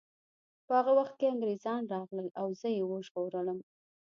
په هغه وخت کې انګریزان راغلل او زه یې وژغورلم